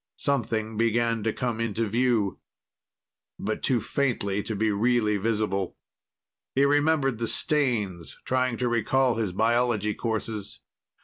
Something began to come into view, but too faintly to be really visible. He remembered the stains, trying to recall his biology courses.